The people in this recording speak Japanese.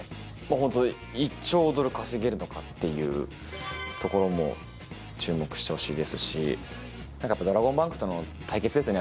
本当に１兆ドル稼げるのかというところも注目してほしいですし、やっぱりドラゴンバンクとの対決ですね。